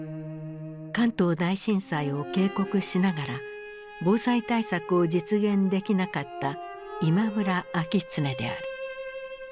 関東大震災を警告しながら防災対策を実現できなかった今村明恒である。